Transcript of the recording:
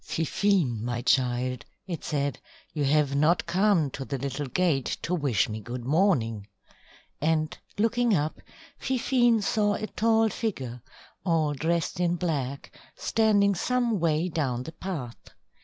"Fifine, my child," it said, "you have not come to the little gate to wish me good morning," and looking up, Fifine saw a tall figure, all dressed in black, standing some way down the path.